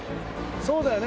そうだよね？